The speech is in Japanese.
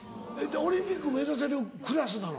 オリンピック目指せるクラスなの？